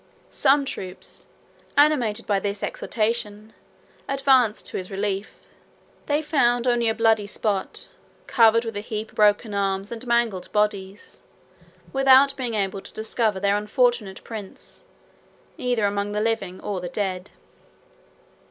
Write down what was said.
Some troops, animated by their exhortation, advanced to his relief: they found only a bloody spot, covered with a heap of broken arms and mangled bodies, without being able to discover their unfortunate prince, either among the living or the dead.